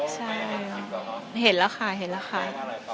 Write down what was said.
ใช่เห็นแล้วค่ะเห็นแล้วค่ะ